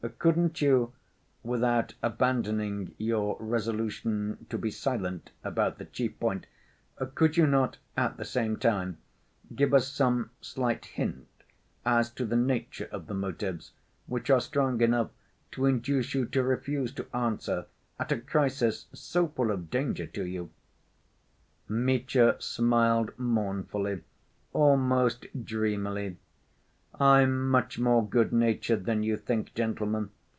"Couldn't you, without abandoning your resolution to be silent about the chief point, could you not, at the same time, give us some slight hint as to the nature of the motives which are strong enough to induce you to refuse to answer, at a crisis so full of danger to you?" Mitya smiled mournfully, almost dreamily. "I'm much more good‐natured than you think, gentlemen.